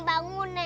nek bangun nek